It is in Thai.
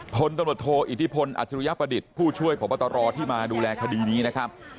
พลตำรวจโทอิทธิพลอัจฉริยประดิษฐ์ผู้ช่วยพบตรที่มาดูแลคดีนี้นะครับ